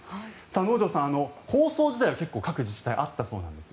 能條さん、構想自体は各自治体合ったそうなんです。